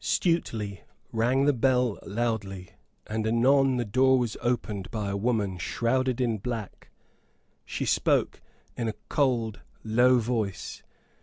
Stuteley rang the bell loudly, and anon the door was opened by a woman shrouded in black. She spoke in a cold low voice.